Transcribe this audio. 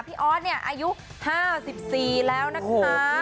ออสเนี่ยอายุ๕๔แล้วนะคะ